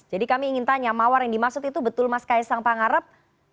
jadi kami ingin tanya mawar yang dimaksud itu betul mas kaisang pangarep